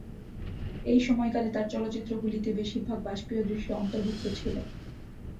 এই সময়কালে তার চলচ্চিত্রগুলিতে বেশিরভাগ বাষ্পীয় দৃশ্য অন্তর্ভুক্ত ছিল।